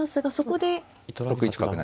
６一角成。